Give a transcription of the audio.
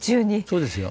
そうですよ。